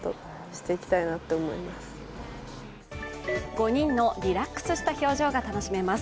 ５人のリラックスした表情が楽しめます。